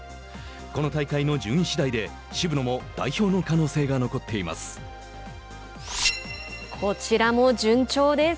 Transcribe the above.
この大会の順位次第で渋野も代表の可能性が残っています。